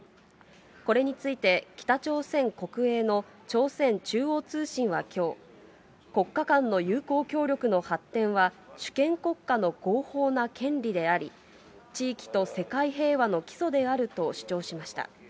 これについて、北朝鮮国営の朝鮮中央通信はきょう、国家間の友好協力の発展は、主権国家の合法な権利であり、地域と世界平和の基礎であると主張しました。